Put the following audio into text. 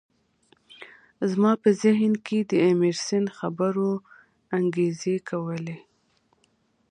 زما په ذهن کې د ایمرسن خبرو انګازې کولې